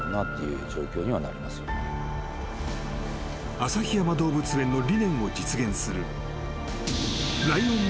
［旭山動物園の理念を実現するライオンの］